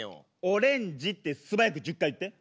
オレンジって素早く１０回言って。